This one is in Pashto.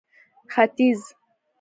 ختيځ